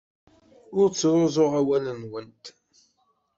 Ur ttruẓuɣ awal-nwent.